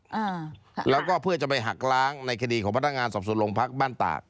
อะแล้วก็เพื่อจะหักล้างในคดีของพันธรรมการสอบสวนโรงพราบบ้านตาก